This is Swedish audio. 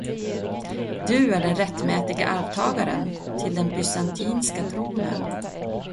Du är den rättmätige arvtagaren till en bysantinska tronen.